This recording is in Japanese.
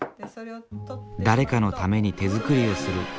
誰かのために手作りをする。